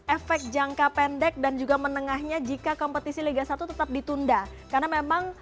efek jangka pendek dan juga menengahnya jika kompetisi liga satu tetap ditunda karena memang